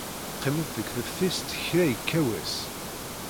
Qqiment deg teftist kra yekka wass.